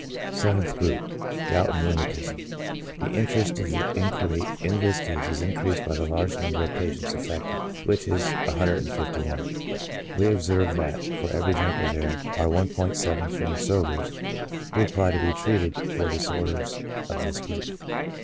Seventh Group : Gout and Rheumatism. — The interest of the inquiry in this case is increased by the large number of patients affected, which is 151. We observe that for every drinker there are i'74 sobers who apply to be treated for disorders of this group.